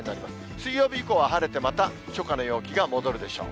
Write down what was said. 水曜日以降は晴れて、また初夏の陽気が戻るでしょう。